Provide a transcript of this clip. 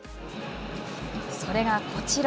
それがこちら。